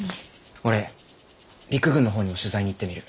俺陸軍の方にも取材に行ってみる。